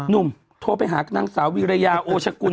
หนุ่มโทรไปหานางสาววิรยาโอชกุล